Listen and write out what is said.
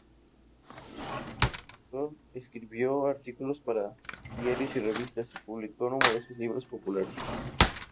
Proctor escribió artículos para diarios y revistas, y publicó numerosos libros populares.